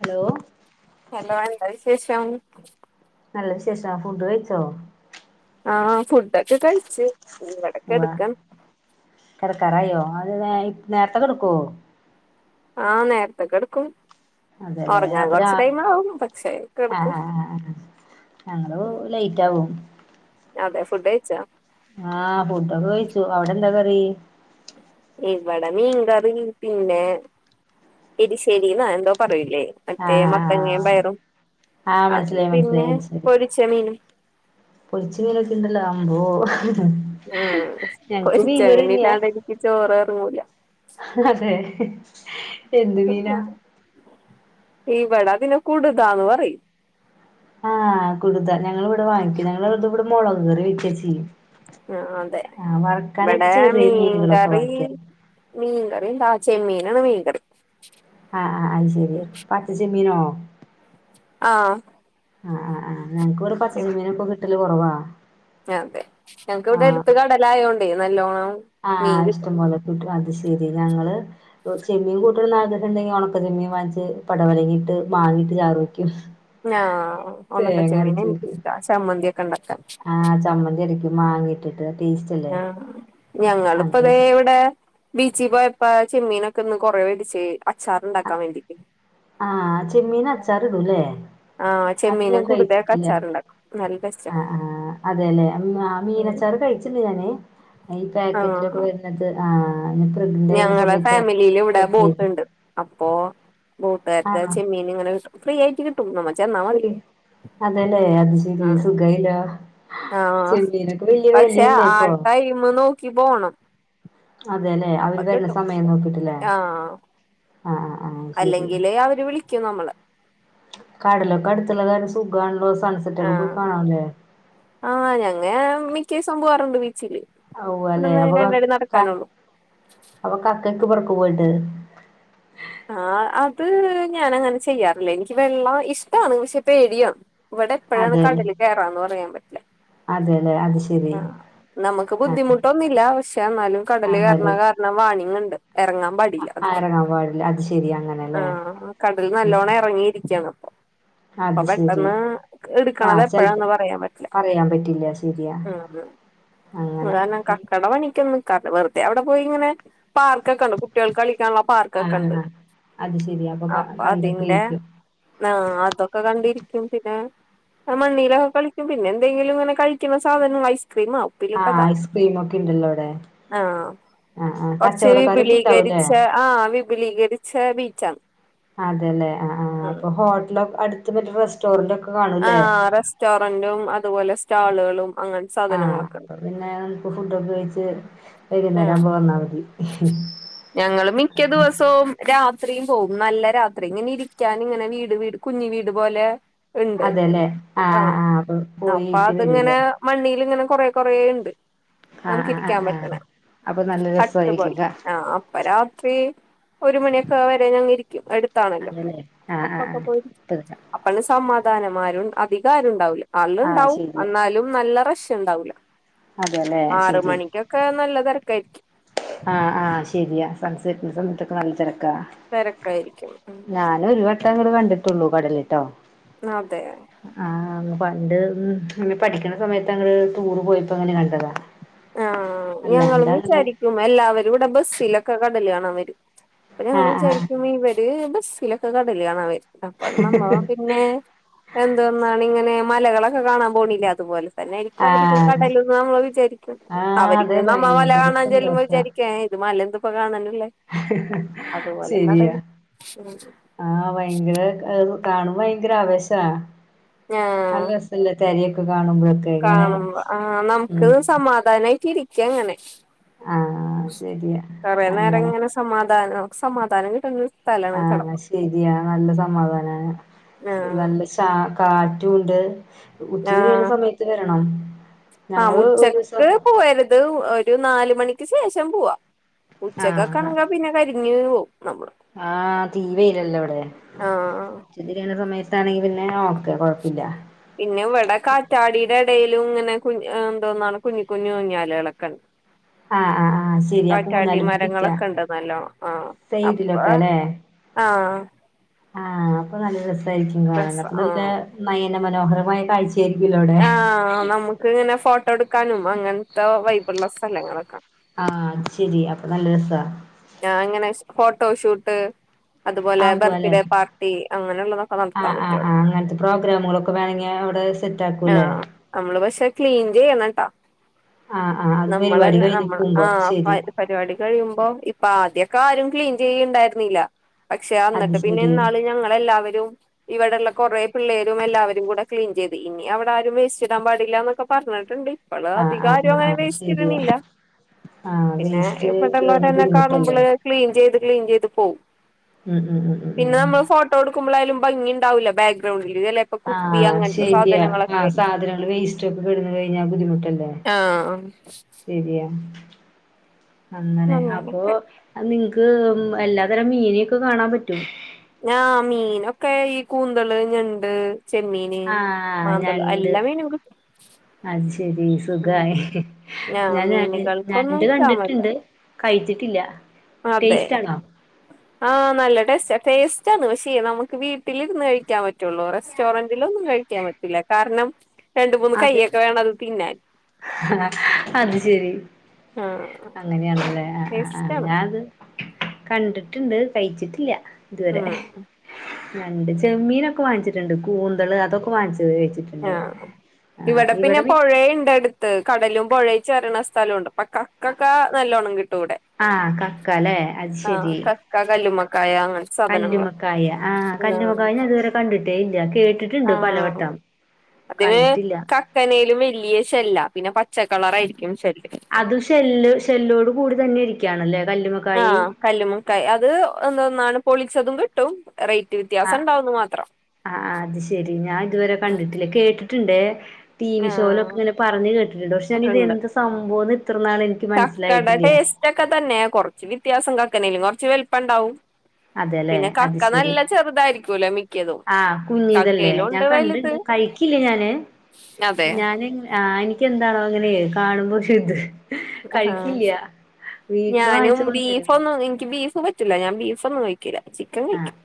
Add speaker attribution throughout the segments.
Speaker 1: Hello
Speaker 2: hello എന്താ വിശേഷം
Speaker 1: നല്ല വിശേഷാ ഫുഡ് കഴിച്ചോ
Speaker 2: ആ ഫുഡൊക്കെ കഴിച്ച് ഇവിടെക്കെടക്കാണ്
Speaker 1: ക്കാറായോ അത് നേ നേരത്തെ കെടക്കുവോ
Speaker 2: ആ നേരത്തെ കെടക്കും
Speaker 1: അതെല്ലേ
Speaker 2: ഒറങ്ങാൻ
Speaker 1: അപ്പൊ രാ
Speaker 2: കൊറച്ച് ടൈം ആവും പക്ഷെ
Speaker 1: ആ
Speaker 2: കെടക്കും
Speaker 1: ആ ആ ആ ഞങ്ങള് ലേറ്റ് ആകും
Speaker 2: അതെ ഫുഡ് കഴിച്ചോ
Speaker 1: ആ ഫുഡൊക്കെ കഴിച്ചു അവിടെ എന്താ [unintelligible]
Speaker 2: ഇവടെ മീൻകറി പിന്നെ എരിശ്ശേരിന്നൊ എന്തോ പറയും ല്ലേ
Speaker 1: ആഹ്
Speaker 2: മറ്റേ മത്തങ്ങേം
Speaker 1: ആഹ്
Speaker 2: പയറും
Speaker 1: ആഹ്
Speaker 2: അത്
Speaker 1: മനസ്സിലായി
Speaker 2: പിന്നെ
Speaker 1: മനസ്സിലായി അത് ശരി
Speaker 2: പൊരിച്ച മീനും
Speaker 1: പൊരിച്ച മീനൊക്കെ ഇണ്ടല്ലോ അമ്പോ
Speaker 2: ഉം
Speaker 1: ഞങ്ങക്ക്
Speaker 2: പൊരിച്ച
Speaker 1: മീൻകറി തന്നെയാ
Speaker 2: മീനില്ലാണ്ട് എനിക്ക് ചോറ് എറങ്ങൂല
Speaker 1: അതെ എന്ത് മീനാ
Speaker 2: ഇവിടതിന് കുടുതാന്ന് പറയും
Speaker 1: ആ കുടുത ഞങ്ങൾ ഇവിടെ വാങ്ങിക്കും ഞങ്ങളതിവിടെ മൊളക് കറി വെയ്ക്കാ ചെയ്യും
Speaker 2: ആ അതെ
Speaker 1: ആഹ് വറക്കാനായിട്ട്
Speaker 2: ഇവിടെ
Speaker 1: ചെറിയ മീനുകളൊക്കെ
Speaker 2: മീൻകറി
Speaker 1: വാങ്ങിക്ക
Speaker 2: മീൻകറി എന്താ ചെമ്മീൻ നാണ് മീൻകറി
Speaker 1: ആ ആ അത് ശെരി പച്ച ചെമ്മീനോ
Speaker 2: ആ
Speaker 1: അ അ ആ ഞങ്ങക്കൊരു പച്ച ചെമ്മീനാപ്പൊ കിട്ട ട്ടല് കൊറവാ
Speaker 2: അതെ ഞങ്ങക്കിവിടെ അടുത്ത് കടലായോണ്ട് നല്ലോണം
Speaker 1: ആഹ
Speaker 2: മീൻ കിട്ടും
Speaker 1: ഇഷ്ടംപൊലെ കിട്ടും അത് ശെരി ഞങ്ങള് ചെമ്മീൻ കൂട്ടണന്ന് ആഗ്രഹണ്ടെങ്കിൽ ഒണക്ക ചെമ്മൻ വാങ്ങിച്ച് പടവലങ്ങിട്ട് മാങ്ങിട്ട് ചാറു
Speaker 2: ആ
Speaker 1: അരച്ച് വെക്കും
Speaker 2: ഒണക്കച്ചെമ്മീനെനിക്ക്ഷ്ടാ ചമ്മന്തി
Speaker 1: ആഹ് ചമ്മന്തിയരക്കും. ഒരു മാങ്ങ ഇട്ട്.
Speaker 2: ആഹ് ഞങ്ങളിയിപ്പോ
Speaker 1: അങ്ങനെ
Speaker 2: ദേ ഇവിടെ. ബീച്ചിൽ പോയപ്പോ ചെമ്മീനൊക്കെ ഒന്ന് കൊറെ മേടിച്ചെന്. അച്ചാറുണ്ടാക്കാൻ വേണ്ടിട്ട്.
Speaker 1: ആഹ് ചെമ്മീന് അച്ചാർ ഇടുല്ലേ,
Speaker 2: ആ
Speaker 1: അത്
Speaker 2: ചെമ്മീനും
Speaker 1: ഞാൻ
Speaker 2: കുടുതയൊക്കെ
Speaker 1: കഴിച്ചിട്ടില്ല
Speaker 2: അച്ചാറുണ്ടാക്കും നല്ല ടേസ്റ്റാ
Speaker 1: ആഹ് ആഹ് അതെല്ലെ മീനച്ചാർ കഴിച്ചി നെ ഈ
Speaker 2: ആ
Speaker 1: പാക്കറ്റിലൊക്കെ വരുന്നത് ആഹ്. ഞാൻ പ്രഗ്നന്റ് ആയിരുന്ന
Speaker 2: ഞങ്ങളെ
Speaker 1: സമയത്ത്
Speaker 2: ഫാമിലിൽ ഇവിടെ
Speaker 1: കഴിക്കായിരുന്നു
Speaker 2: ബോട്ടുണ്ട്, അപ്പോ. ബോട്ടുകാരുടെ
Speaker 1: ആണോ
Speaker 2: ചെമ്മീൻ ഇങ്ങനെ എടുക. [unintelligible]
Speaker 1: ശരി അതല്ലേ അത് ശരി
Speaker 2: ആ
Speaker 1: സുഖായല്ലോ
Speaker 2: ആ
Speaker 1: ചെമ്മീനൊക്കെ വല്യ വേലല്ലേ ഇപ്പൊ?
Speaker 2: ക്ക് പോണം-
Speaker 1: അതെല്ലെ
Speaker 2: അപ്പൊ
Speaker 1: അവര് വരണ
Speaker 2: കിട്ടും
Speaker 1: സമയം നോക്കിട്ടില്ലേ?
Speaker 2: ആഹ്
Speaker 1: ആഹ് ആഹ് ആഹ്
Speaker 2: അല്ലെങ്കില് അവര് വിളിക്കും നമ്മള്-
Speaker 1: കടലൊക്കടുത്തോള കാരണം സുഖം ആണല്ലോ? സൺസെറ്റ് ഒക്കെ പോയി
Speaker 2: ആഹ്
Speaker 1: കാണാല്ലേ
Speaker 2: ആഹ് ഞങ്ങ മിക്കേസം പോവാറുണ്ട് ബീ
Speaker 1: ഉവ്വാല്ലേ അപ്പൊ
Speaker 2: നടക്കാനുള്ളൂ
Speaker 1: അപ്പൊ കക്കക്ക് പുറ പോവല്ലേ?
Speaker 2: ആഹ അത് ഞാൻ അങ്ങനെ ചെയ്യാറില്ലേ എനിക്ക് വെള്ളം ഇഷ്ടാണ് പക്ഷെ പേടിയാണ്- ഇവിടെ എപ്പോഴാണ്
Speaker 1: അതെല്ലേ
Speaker 2: കടല് കയറാന്ന് പറയാൻ പറ്റില്ല
Speaker 1: അതെല്ലേ അത് ശരി
Speaker 2: ആ നമുക്ക്
Speaker 1: ആഹ്
Speaker 2: ബുദ്ധിമുട്ടൊന്നില്ല പക്ഷെ എന്നാലും കടല് കയറണാ കാരണം വാണിങ്ങ്ണ്ട്-
Speaker 1: ആ എറങ്ങാൻ പാടില്ല അ-
Speaker 2: ആഹ് കടൽ നല്ലോണ്ണം
Speaker 1: ഉം.
Speaker 2: ഇറങ്ങിയിരി ക്കാണപ്പോ- അപ്പൊ
Speaker 1: അത് ശെരി
Speaker 2: പെട്ടെന്ന് എടുക്കണത്
Speaker 1: ആഹ് ചെലപ്പോ
Speaker 2: എപ്പഴാന്ന് പറയാൻ പറ്റില്ല
Speaker 1: പറയാൻ പറ്റില്ല ശരിയാ
Speaker 2: ഉം
Speaker 1: അങ്ങനെ
Speaker 2: അതാരണം കക്കട പണിക്കൊന്ന ക വെറുതെ അവിടെപോയിങ്ങനെ പാർക്കൊക്കെ ഉണ്ട് കുട്ടികൾക്ക് കളിക്കാനുള്ള
Speaker 1: ആഹ്
Speaker 2: കക്കണ്ട്
Speaker 1: ആഹ് അത് ശെരി
Speaker 2: അപ്പൊ അതിന്റെ
Speaker 1: കണ്ടൊക്കെയിരിക്കും
Speaker 2: ആ അതൊക്കെ കണ്ടിരിക്ക പിന്നെ മണ്ണയിലൊക്കെ കളിക്കും പിന്നെ എന്തെങ്കിലും ഇങ്ങനെ കഴിക്കുന്ന സാധനം ഐസ് ക്രീമോ
Speaker 1: ആഹ്
Speaker 2: ഉപ്പിലിട്ടതാ
Speaker 1: ഐസ്ക്രീം ഒക്കെ ഉണ്ടല്ലോ അവിടെ
Speaker 2: ആഹ്
Speaker 1: ആഹ് ആഹ്
Speaker 2: കൊറച്ച്
Speaker 1: കച്ചവടക്കാരൊക്കെ ഉണ്ടാവൂല്ലേ
Speaker 2: വിപുലീകരിച്ച ആ
Speaker 1: അതെല്ലേ ആ ആ
Speaker 2: ഉം
Speaker 1: അപ്പൊ ഹോട്ടല അടു അ മറ്റ റെസ്റ്റോറന്റ്
Speaker 2: ആ
Speaker 1: കാണൂല്ലേ
Speaker 2: റെസ്റ്റോറന്റും അതുപോലെ ആളുകളും അങ്ങനെ സാധനങ്ങളൊക്കെ
Speaker 1: ടൊക്കെ കഴിച്ചേ
Speaker 2: ആ ഞങ്ങള് മിക്ക ദിവസവും രാ രാത്രി പോവും നല്ല രാത്രി ഇങ്ങനെ ഇരിക്കാൻ ഇങ്ങനെ വീട് വീട് കുഞ്ഞ് വീട് പോലെ ഉണ്ട്
Speaker 1: അതെല്ലേ ആ
Speaker 2: ആഹ്
Speaker 1: ആ അപ്പൊ പോയിട്ട് വരൂല്ലേ
Speaker 2: കുറെ കുറെ ഇണ്ട്
Speaker 1: ആഹ് ആഹ്
Speaker 2: നമുക്കിരിക്കാൻ
Speaker 1: ആഹ്
Speaker 2: പറ്റണ
Speaker 1: ആഹ് അപ്പൊ നല്ല
Speaker 2: ഹട്ട്
Speaker 1: രസമായിരിക്കും
Speaker 2: പോലെ
Speaker 1: ക
Speaker 2: ആ അപ്പ രാത്രി ഒരു മണിയൊക്കെ വരെ ഞങ്ങ ഇരിക്കും അടുത്താണല്ലോ
Speaker 1: അതല്ലേ ആഹ് ആഹ്
Speaker 2: അപ്പൊക്കെ
Speaker 1: ആഹ്
Speaker 2: പോ
Speaker 1: ഇപ്പ
Speaker 2: അപ്പ സമാധാനമാരു അധികമാരുമിണ്ടാവില്ല അന്ന്
Speaker 1: ആഹ്
Speaker 2: ഉണ്ടാവും
Speaker 1: ശരിയാ
Speaker 2: എന്നാലും നല്ല റ ണ്ടാവൂല്ല
Speaker 1: അതെല്ലേ
Speaker 2: ആറ് മണിക്കൊക്കെ നല്ല [unintelligible]
Speaker 1: ആ ആ ശരിയാ സംസരിക്കുന്ന സമയത്തൊക്കെ നല്ല തിരക്ക് ക
Speaker 2: തിരക്കായിരിക്കും ഉം
Speaker 1: ഞാന ഒരു വട്ടാക വണ്ട ഇട്ടുള്ളൂ കടലട്ടോ
Speaker 2: നത
Speaker 1: ആ പണ്ട്ങ്ങ പഠിക്കണ സമയത്ത്ങ്ങ ടൂർ പോയപ്പോ അങ്ങനെ കണ്ടതാ
Speaker 2: ആഹ ഞങ്ങളും
Speaker 1: അല്ലാണ്ട് അങ്ങനെ
Speaker 2: വിചാരിക്കും എല്ലാവ ഇവിടെ ബസ്സിലൊക്കെ കടല് കാണാൻ വരും അപ്പൊ ഞങ്ങള്
Speaker 1: ആഹ് ആഹ്
Speaker 2: വിചാരിക്കും ഇവര് സിലക്ക് കടല് കാണവരും അപ്പ നമ്മ പിന്നെ എന്തൊന്നാണ് ഇങ്ങനെ മലകളൊക്കെ കാണാൻ പോണില്ലേ അ അതുപോലെ തന്നൊയിരിക്കും അവർക്ക്
Speaker 1: ആഹ്
Speaker 2: കടലന്ന് നമ്മൾ വിചാരി
Speaker 1: ആഹ് അതെ
Speaker 2: അവർക്ക് നമ്മ മല
Speaker 1: ഭയങ്കര
Speaker 2: കാണാൻ ചൊല്ലുമ്പോ
Speaker 1: സന്തോഷാ
Speaker 2: വിചാരിക്കും ഏ ഇത് മല ഇതിപ്പം കാണാനും
Speaker 1: ശരിയാ ആ ഭയങ്കര കാണുമ്പം ഭയങ്കര ആവേശ നല്ല
Speaker 2: ആഹ്
Speaker 1: രസണ്ട് [unintelligible]
Speaker 2: കാണുമ്പോ ആ
Speaker 1: ഉം
Speaker 2: നമുക്കത് സമാധാനമായിട്ട് ഇരി ക്ക്യങ്ങനെ
Speaker 1: ആഹ് ശരിയാ അങ്ങനെ
Speaker 2: കൊറെനേരങ്ങനെ സമാധാനം. സമാധാനം കിട്ട്ണ
Speaker 1: ആ ശരിയാ നല്ല സമാധാനാണ്. നല്ലശാ കാ റ്റൂണ്ട്
Speaker 2: ആ ആ
Speaker 1: ഞങ്ങള്
Speaker 2: ഉച്ചക്ക്
Speaker 1: ഒരുസം
Speaker 2: പോവുരുത്. ഒരു നാലുമണി ക്കി ശേഷം പൂവാ ഉച്ചക്കൊക്കെ
Speaker 1: ആഹ്
Speaker 2: ആണെങ്കിൽ പിന്നെ കരിഞ്ഞുപോവും ഞമ്മള്
Speaker 1: ആഹ് തീ വെയിലല്ലേ
Speaker 2: ആ
Speaker 1: ത്താണെങ്കിൽ പിന്നെ ഓക്കെ കുഴപ്പില്ല.
Speaker 2: പിന്നെ ഇവിടെ കാറ്റാടീടെ ഇടയിലിങ്ങനെ കുഞ്ഞ് എന്തോന്നാണ് കുഞ്ഞി കുഞ്ഞു കുഞ്ഞൂഞ്ഞാലുകളൊക്കെ ഉണ്ട്.
Speaker 1: ആഹ് ആഹ് ആഹ് ശരി അപ്പൊ
Speaker 2: കാറ്റാടി
Speaker 1: ഊഞ്ഞാലുമേക്കിരിക്കാ
Speaker 2: മരങ്ങളൊക്കെണ്ട്. നല്ലോണം ആ
Speaker 1: സൈഡിലൊക്കെ
Speaker 2: അപ്പം ആ
Speaker 1: ആ അപ്പൊ നല്ല രസ യിരിക്കും കാണാന് അപ്പം നല്ല നയനമനോഹരമായി കാഴ്ച്
Speaker 2: ആ നമുക്കിങ്ങനെ ഫോട്ടോ എടു ക്കാനും അങ്ങൻത്ത വൈബുള്ള സ്ഥലങ്ങളൊക്കെ.
Speaker 1: ആ അത് ശരീ അപ്പം നല്ല രസാ.
Speaker 2: ആ അങ്ങനെ ഫോട്ടോഷൂട്ട്. അതുപോലെ
Speaker 1: ആവുമല്ലേ
Speaker 2: ബർത്ത്ഡേ പാർട്ടി അങ്ങനെയുള്ളതൊക്കെ
Speaker 1: ആ
Speaker 2: നടത്താൻ
Speaker 1: ആ
Speaker 2: പറ്റും
Speaker 1: ആ
Speaker 2: അവിടെ
Speaker 1: അങ്ങനത്തെ പ്രോഗ്രാമുകളൊക്കെ വേണെങ്കിൽ അവിടെ സെറ്റ് ആക്കുല്ലേ.
Speaker 2: ആഹ് നമ്മള് പക്ഷെ ക്ലീൻ ചെയ്യണട്ടോ
Speaker 1: ആഹ് അത് പരിപാടി
Speaker 2: നമ്മളന്നെ
Speaker 1: കഴിഞ്ഞ്
Speaker 2: നമ്മള് ആ
Speaker 1: പോകുമ്പോ ശരി
Speaker 2: പരി പരിപാടി കഴിയുമമ്പം ഇ ആദ്യക്കാരും ക്ലീൻ ചെയ്യുണ്ടായിരുന്നില്ല. പക്ഷേ
Speaker 1: അത്
Speaker 2: അന്നിട്ട്
Speaker 1: ശരി
Speaker 2: പിന്നയിന്നാള് ഞങ്ങളെല്ലാവരും ഇവിടെള്ള കുറേപിള്ളേരും എല്ലാവരും കൂടെ ക്ലീൻ ചെയ്ത്. ഇനി അവിടെ ആരും വേയ്സ്റ്റിടാൻപാടില്ലാ ന്നൊക്കെ പറഞ്ഞിട്ട്ണ്ട്.
Speaker 1: ആ ആ ആ ആ ശരിയാ ആ വേയ്സ്റ്റ് ഇട്ട് കഴിഞ്ഞാ [unintelligible]
Speaker 2: പോകുമ്പള് ക്ലീൻ ചെയ് ഇത് ക്ലീൻ ചെയ്ത് പോവും
Speaker 1: ഉം ഉം ഉം ഉം
Speaker 2: പിന്ന
Speaker 1: ഉം
Speaker 2: നമ്മൾ ഫോട്ടോ ഇട്ക്കുമ്പളായാലും ഭംഗിണ്ടാവൂല ബാക്ക്ഗ്രൗണ്ടിൽ
Speaker 1: ആ ശരിയാ ആ
Speaker 2: ആയിരിക്കും
Speaker 1: സാധനങ്ങള് വേസ്റ്റ്ക്കെ കെട്ന്ന് കഴിഞ്ഞാ ബുദ്ധിമുട്ടണ്ടെ
Speaker 2: ആഹ്
Speaker 1: ശരിയാ അങ്ങനെ അപ്പൊ
Speaker 2: അങ്ങനൊക്കെ
Speaker 1: നിങ് മ് എല്ലാതരം മീനിക്കെ കാണാൻ പറ്റും
Speaker 2: ഞാ മീനക്കെ ഈ കൂന്തല്, ഞണ്ട്, ചെമ്മീന്
Speaker 1: ആ
Speaker 2: മാന്തള്
Speaker 1: ഞണ്ട്
Speaker 2: എല്ലാ മീനും കിട്ടും
Speaker 1: അത് ശരീ
Speaker 2: ഉം
Speaker 1: സുഖായി
Speaker 2: ഞാൻ
Speaker 1: ഞാന് ഞ എ
Speaker 2: മീനുകൾക്കൊന്നും
Speaker 1: ഞണ്ട്
Speaker 2: ക്ഷാമല്ല
Speaker 1: കണ്ടിട്ട്ണ്ട് കഴിച്ചിട്ടില്ല.
Speaker 2: അതെ
Speaker 1: ടേസ്റ്റ് ആണോ?
Speaker 2: ആ നല്ലടേസ്റ്റാ ടേസ് റ്റാണ് പക്ഷേ നമുക്ക് വീട്ടിലിരുന്ന് കഴിക്കാൻ പ പറ്റുള്ളൂ റെസ്റ്റോറന്റിലൊന്നും കഴിക്കാൻ പറ്റില്ല കാരണം രണ്ട് മൂന്ന്
Speaker 1: അതെ
Speaker 2: കയ്യൊക്കെ വേണം അത് തിന്നാൻ
Speaker 1: അത് ശരി.
Speaker 2: ആഹ്
Speaker 1: അങ്ങനെയാണ്ലേ ആ ആ ആ
Speaker 2: ടേസ്റ്റാണ്
Speaker 1: ഞാത് കണ്ടിട്ടുണ്ട് കഴിച്ചിട്ടില്ല ഇതുവരെ
Speaker 2: ഉം
Speaker 1: ഞണ്ട് ചെമ്മീനൊക്കെ വാങ്ങിച്ചിട്ട്ണ്ട് കൂന്തള് അതൊക്കെ വാങ്ങിച്ചി [unintelligible] വച്ചിട്ടുണ്ട്
Speaker 2: ആഹ് ഇവിടെ പിന്നെ പൊഴണ്ട് അടു കടലും പുഴേ ചേര്ണ സ്ഥലൊണ്ട് അപ്പോ കക്കൊക്കെ നല്ലോണം കിട്ടും ഇവിടെ
Speaker 1: ആഹ് കക്കലേ അത്
Speaker 2: ആഹ്
Speaker 1: ശരി
Speaker 2: കക്ക, കല്ലുമ്മക്കായ അങ്ങനത്തെ സാധനങ്ങളൊ
Speaker 1: കല്ലുമ്മക്കായ ആഹ് കല്ലുമ്മക്കായ ഞാനിതുവരെ കണ്ടിട്ടേയില്ല കേട്ടിട്ടുണ്ട്
Speaker 2: ആഹ്
Speaker 1: പലവട്ടം
Speaker 2: അതിന്
Speaker 1: കണ്ടിട്ടില്ല.
Speaker 2: കക്കനേലും വലിയ ഷെല്ലാ പിന്നെ പച്ചക് കളറായി
Speaker 1: അത് ഷെല്ല് ഷെല്ലോട് കൂടി തന്നെ ഇരിക്കാണല്ലേ
Speaker 2: ആഹ് കല്ലുമക്കായി അത് ഒന്നന്നാണ് പൊളിച്ചതും കിട്ടും റേറ്റ് വ്യത്യാസം
Speaker 1: അഹ്
Speaker 2: ഉണ്ടാവുന്ന് മാത്രം
Speaker 1: ആഹ് അത്ശെരി ഞാൻ ഇതുവരെ കണ്ടിട്ടില്ല കേട്ടി കേട്ടിട്ടുണ്ട് ടി വി ഷോയ്ലൊക്കെ
Speaker 2: ആഹ്
Speaker 1: ഇങ്ങനെ പറഞ്ഞു കേട്ടിട്ടുണ്ട് പക്ഷേ ഞാന് എന്ത് സംഭവംന്ന് ഇത്രനാൾ എനിക്ക്
Speaker 2: ചക്കടെ
Speaker 1: മനസ്സിലായിട്ടില്ല
Speaker 2: ടേസ്റ്റ്ക്കെ തന്നേ കൊർച്ച് വെത്യാസങ്ങ [unintelligible] കൊർച്ച് വൽപ്പണ്ടാവും
Speaker 1: അതെലെ അത് ശരി
Speaker 2: ചെറുതായിരിക്കൂലോ മിക്കതും
Speaker 1: ആ കുഞ് ഇതല്ലേ
Speaker 2: കക്കയിലും
Speaker 1: ഞാൻ
Speaker 2: ഉണ്ട് വലുത്
Speaker 1: കണ്ടിണ്ട് കഴിക്കില്ല ഞാന്
Speaker 2: അതെ
Speaker 1: ഞാന് ആ എന്താണോ ഇങ്ങനെ കാണുമ്പോ [unintelligible]
Speaker 2: ആ
Speaker 1: കഴിക്കില്ല വീട്ടില്
Speaker 2: ഞാനും
Speaker 1: വാങ്ങിച്ചു
Speaker 2: ബീഫ്
Speaker 1: കൊണ്ടുവരും
Speaker 2: ഒന്നും എൻക്ക് ബീഫ് പറ്റൂല ഞാൻ ബീഫ് ഒന്നും കഴിക്ക ക്കില്ല ചിക്കൻ
Speaker 1: ആഹ്
Speaker 2: കഴിക്കും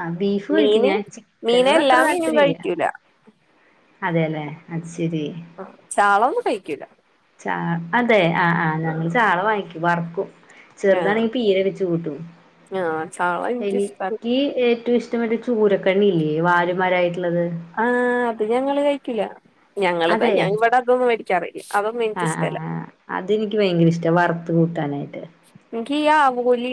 Speaker 1: ആഹ് ബീഫ് കഴിക്കും
Speaker 2: മീന്
Speaker 1: ഞാൻ
Speaker 2: മീന്
Speaker 1: ചിക്കനോട്
Speaker 2: എല്ലാ മീനും കഴിക്കൂല
Speaker 1: അതെല്ലെ അ ശരി
Speaker 2: ആ ചാള ഒന്നും കഴിക്കൂല
Speaker 1: ചാ അതെ ആഹ് ആ ഞങ്ങൾ ചാള വാങ്ങിക്കും വറക്കും ആ [inaudible] ചെറുതാണെങ്കി പീരെ വെച്ച് കൂട്ടും
Speaker 2: ആ ചാള എനിക്കിഷ്ടല്ല
Speaker 1: എനിക്ക് ഏറ്റവും ഇഷ്ട- ഇഷ്ടട്ട് ചൂരൊക്കെണ്ണല്ലേ വാമാരായിട്ട്
Speaker 2: ആഹ അപ്പൊ ഞങ്ങള് കഴിക്കില്ല ഞങ്ങളത്
Speaker 1: അതെ
Speaker 2: ഞാൻ ഇവിടെ അതൊന്നും മേടിക്കാറില്ല അതൊന്നും എനിക്ക്
Speaker 1: ആഹ് ആഹ്
Speaker 2: ഇഷ്ടമല്ല
Speaker 1: ആഹ് അതെനിക്ക് ഭയങ്കര ഇഷ്ടം ട്ട വറുത്ത് കൂട്ടാനായിട്ട്
Speaker 2: എനിക്ക് ഈ ആവുകോലി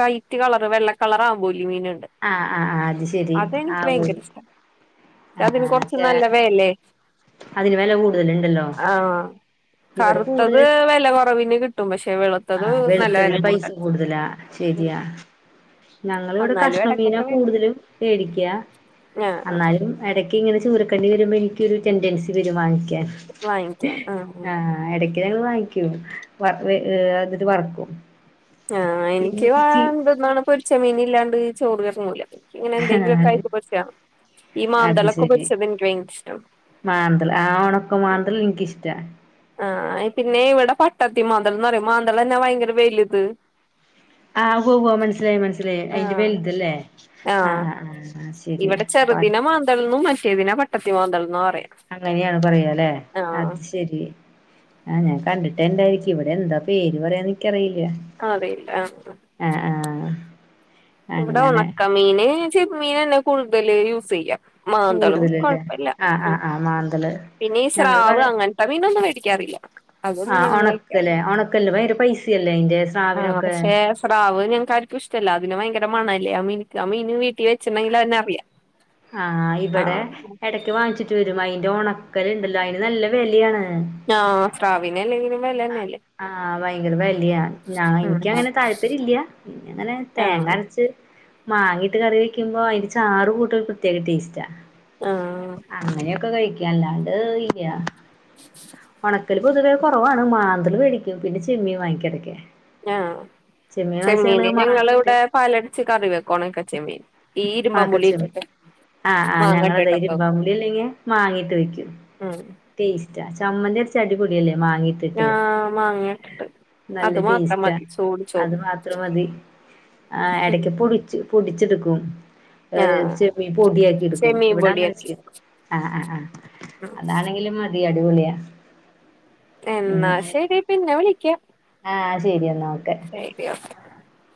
Speaker 2: വൈറ്റ് കളർ വെള്ള കളർ ആവോലി മീനുണ്ട്
Speaker 1: ആഹ് ആഹ് ആ അത് ശെരി
Speaker 2: അതെനിക്ക് ഭയങ്കര
Speaker 1: ആവോലി
Speaker 2: ഇഷ്ട അതിന് കൊറച്ച് നല്ല വെല
Speaker 1: അതിന് വെല കൂടുതലുണ്ടല്ലോ
Speaker 2: ആഹ
Speaker 1: ഇവിടെ
Speaker 2: കറുത്തത്
Speaker 1: കൂടുതല്
Speaker 2: വില കുറവിന് കിട്ടും മ [unintelligible]
Speaker 1: ആഹ് വെളുത്തതിന് പൈസ കൂടുതലാ ശരിയാ ഞങ്ങളിവിടെ
Speaker 2: എന്നാലും
Speaker 1: കഷ്ണമീന
Speaker 2: ഇടക്കൊക്കെ മേടിക്കും
Speaker 1: കൂടുതലും മേടിക്കാ
Speaker 2: ആ
Speaker 1: എന്നാലും ഇടക്ക് ഇങ്ങനെ ചൂര- എക്കേണ്ടി വരുമ്പോൾ എനികക്കൊരു ടെൻടെൻസി വരും വാങ്ങിക്കാ
Speaker 2: വാങ്ങിക്കും ആ ആ
Speaker 1: ൻ ഇടക്ക് ഞങ്ങള് വാങ്ങ- ക്കും വ- അതില് വറക്കും
Speaker 2: ആഹ് എനിക്ക് വണ്ടന്നാണ് പൊരിച്ചമീന ഇല്ലാണ്ട് ചോർക - ഇറങ്ങുല ഇങ്ങനെ എന്തെകിലും ആകിയിട്ട് പൊരിച്ചോ [unintelligible]
Speaker 1: അത് ശരി
Speaker 2: ഇഷ്ടമാണ്
Speaker 1: മാന്തള് ആ ഉണക്ക മാന്തളു എനിക്കിഷ്ടാ
Speaker 2: ആഹ പിന്നെ ഇവിടെ പട്ടത്തി മാന്തല എന്ന് പറയും മാന്തളു തന്നെ ഭയങ്കര വലുത്
Speaker 1: ആഹ് ഉവ്വ്‌ ഉവ്വ്‌ മനസ്സിലായി മനസ്സിലായി അയിന്റെ
Speaker 2: ആഹ്
Speaker 1: വലുതല്ലേ ആഹ് ആ് ആ ശരി
Speaker 2: ഇവിടെ
Speaker 1: പ-
Speaker 2: വദല [inaudible]
Speaker 1: അങ്ങനെയാണ് പറയാല്ലെ അത് ശരി ആഹാ ഞാൻ കണ്ടിട്ടെണ്ടായിരിക്കും ഇവിടെ എന്താ പേര് പറയാന്നെനിക്കറിയില്ല.
Speaker 2: അറിയില്ല ആഹ്
Speaker 1: ആ ആഹാ.
Speaker 2: ഇവിടെ ഒണക്ക മീന് മീനാന്നെ കൂടുതല് യൂസെയ്യാ.
Speaker 1: കൂടുതലല്ലേ ആ ആ ആ മാന്തള്.
Speaker 2: പിന്നെ ഈ സ്രാവ് അങ്ങനത്തെ മീനൊന്നും വേടിക്കാറില്ല. അതൊന്നും
Speaker 1: ആഹ്
Speaker 2: ഞങ്ങള് കഴിക്കാ
Speaker 1: ഒണക്കല്ലേ ഒണക്കല്ല് ഭയങ്കര പൈസയല്ലേ അയിന്റെ
Speaker 2: ആ
Speaker 1: സ്രാവിനൊക്കെ
Speaker 2: പക്ഷെ സ്രാവ് ഞങ്ങക്കാരിക്കും ഇഷ്ടല്ല. അതി വയങ്കര മണല്ലേ ആ മീനിക്ക് ആ മീന് വീട്ടി വച്ചിണ്ടെങ്കിലന്നെ അറിയാം.
Speaker 1: ആ ഇവിടെ
Speaker 2: ആഹ്
Speaker 1: എടക്ക് വാങ്ങിച്ചിട്ട് വരും അയിന്റെ ഒണ ക്കലുണ്ടല്ലോ അയിന് നല്ല വെലയാണ്.
Speaker 2: ആഹാ സ്രാവിനല്ലെങ്കിലും
Speaker 1: അ ആഹാ വയങ്കര വെലയ ഞാൻ
Speaker 2: ആഹ്
Speaker 1: എനിക്കങ്ങനെ താല്പര്യല്ല പിന്നങ്ങനെ
Speaker 2: ആഹ്
Speaker 1: തേങ്ങരച്ച് മാങ്ങിയിട്ട് കറി വെയ്ക്കുമ്പോ അയിന്റെ ചാറ് കൂട്ടാനൊരു പ്രേത്യേക ടേസ്റ്റാ. അങ്ങനെയൊക്കെ കഴിക് അല്ലാണ്ട് ഇല്ല്യ. ഒണക്കല് പൊതുവേ കൊറവാ മാന്തല് വേടിക്കും പിന്നെ ചെമ്മീ വാങ്ങിക്കും എടക്ക്.
Speaker 2: ആഹ
Speaker 1: ചെമ്മീൻ വാങ്ങിച്ച്
Speaker 2: ചെമ്മീന്
Speaker 1: ഞങ്ങള് മാങ്ങീട്ട്
Speaker 2: ഞങ്ങളിവിടെ പാലരച്ച് കറി വെക്കും ഒണക്കെ ചെമ്മീൻ
Speaker 1: ഒണക്കച്ചെമ്മീൻ
Speaker 2: ഈരുമ്പമ്പുളിട്ടിട്ട്
Speaker 1: ആഹ് ആഹ് ഞങ്ങളതെ
Speaker 2: മാങ്ങട്ടിട്ടൊക്കെ വെക്കും.
Speaker 1: ഇരുമ്പാമ്പുളി അല്ലെങ്കി മാങ്ങയിട്ട് വെക്കും
Speaker 2: ഉം
Speaker 1: ടേസ്റ്റാ ചമ്മന്തി അരച്ച അടിപൊളിയല്ലേ മാങ്ങയിട്ടിട്ട്?
Speaker 2: ആഹ് മാങ്ങ ഇട്ടിട്ട്
Speaker 1: നല്ല
Speaker 2: അത് മാത്രം
Speaker 1: ടേസ്റ്റ
Speaker 2: മതി ചൂട് ചോറ്
Speaker 1: അത് മാത്രം മതി അ
Speaker 2: ഉം
Speaker 1: എടക്ക് [unintelligible] ച്ചെടുക്കും.
Speaker 2: ആഹ്
Speaker 1: [unintelligible] എടുക്കും
Speaker 2: ചെമ്മീൻ
Speaker 1: ഇവിടെ അങ്ങനെ
Speaker 2: പൊടിയാക്കി
Speaker 1: ചെയ്യും.
Speaker 2: ഉം
Speaker 1: അതാണെങ്കിലും മത് യടിപൊളിയ.
Speaker 2: എന്നാ ശെരി പിന്നെ വിളിക്കാം.
Speaker 1: ശെരിയാ
Speaker 2: [inaudible]